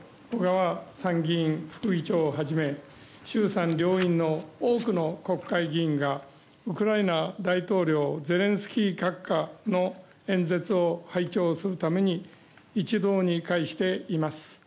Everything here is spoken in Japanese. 小川参議院副議長をはじめ衆参両院の多くの国会議員がウクライナ大統領ゼレンスキー閣下の演説を拝聴するために一堂に会しています。